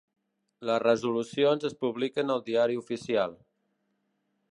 Les resolucions es publiquen al diari oficial.